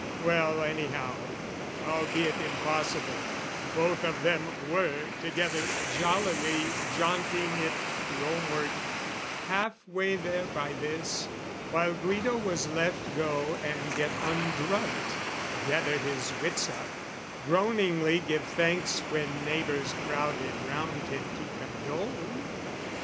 Well, anyhow, albeit impossible, Both of them were together jollily Jaunting it Rome ward, half way there by this, While Guido was left go and get undrugged, Gather his wits up, groaningly give thanks When neighbours crowded round him to condole.